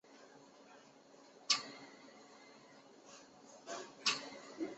黎文敔是南定省春长府胶水县万禄社人。